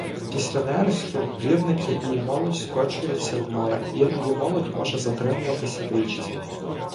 Після нересту плідники і молодь скочуються в море, іноді молодь може затримуватися в річці.